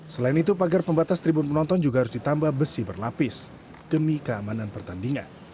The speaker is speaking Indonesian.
selain itu pagar pembatas tribun penonton juga harus ditambah besi berlapis demi keamanan pertandingan